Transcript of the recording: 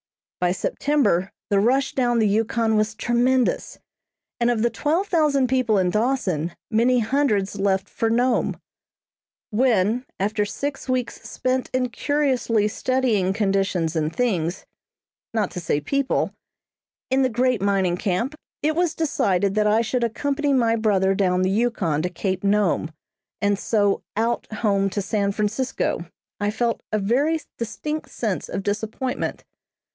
By September the rush down the Yukon was tremendous, and of the twelve thousand people in Dawson many hundreds left for Nome. When, after six weeks spent in curiously studying conditions and things, not to say people, in the great mining camp, it was decided that I should accompany my brother down the Yukon to Cape Nome, and so "out" home to San Francisco, I felt a very distinct sense of disappointment.